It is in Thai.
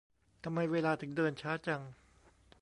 ทำไมเวลาถึงเดินช้าจัง